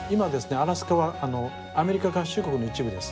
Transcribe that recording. アラスカはアメリカ合衆国の一部です。